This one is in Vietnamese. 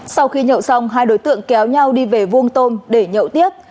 sau khi nhậu xong hai đối tượng kéo nhau đi về vuông tôm để nhậu tiếp